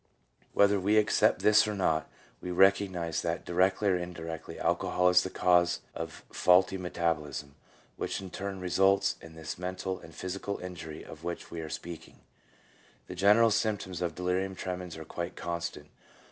Whether we accept this or not, we recognize that directly or indirectly alcohol is the cause of faulty metabolism, which in turn results in this mental and physical injury of which we are speaking. The general symptoms of delirium tremens are quite constant.